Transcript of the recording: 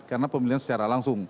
karena pemilihan secara langsung